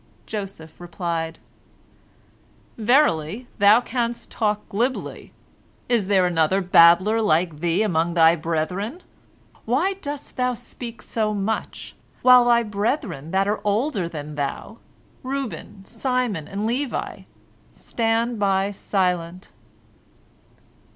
Joseph replied: "Verily, thou canst talk glibly! Is there another babbler like thee among thy brethren? Why dost thou speak so much, while thy brethren that are older than thou, Reuben, Simon, and Levi, stand by silent?"